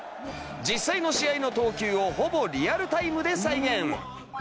実際の試合の投球をほぼリアルタイムで再現。